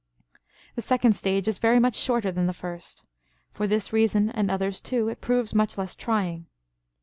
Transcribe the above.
The second stage is very much shorter than the first; for this reason and others, too, it proves much less trying.